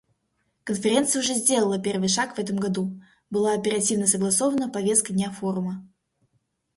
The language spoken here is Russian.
Конференция уже сделала первый шаг в этом году: была оперативно согласована повестка дня форума.